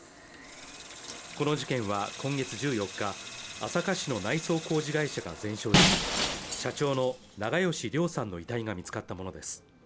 この事件は今月１４日朝霞市の内装工事会社が全焼し社長の長葭良さんの遺体が見つかったものです